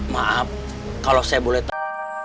maaf kalau saya boleh tahu